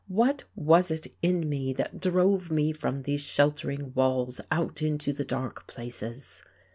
What was it in me that drove me from these sheltering walls out into the dark places?